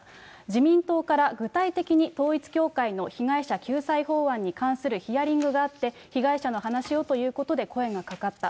自民党から具体的に統一教会の被害者救済法案に関するヒアリングがあって、被害者の話をということで声がかかった。